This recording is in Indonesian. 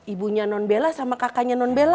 ibunya non bella sama kakaknya non bella